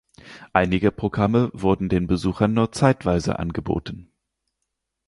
Einige Programme werden den Besuchern nur zeitweise angeboten.